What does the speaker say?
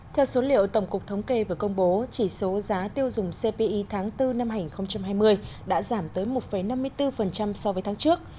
theo số liệu tổng cục thống kê vừa công bố chỉ số giá tiêu dùng cpi tháng bốn năm hai nghìn hai mươi đã giảm tới một năm mươi bốn so với tháng trước